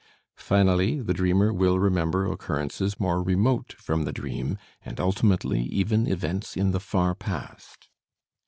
Finally, the dreamer will remember occurrences more remote from the dream, and ultimately even events in the far past.